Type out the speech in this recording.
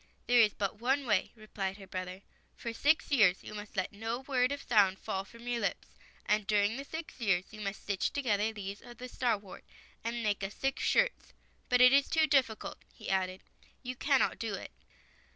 " There is but one way," replied her brother. " For six years you must let no word or sound fall from your lips, and dur ing the six years you must stitch together [ 50 ] THE SIX SWANS leaves of the starwort, and make us six shirts. But it is too difficult," he added. '' You can not do it."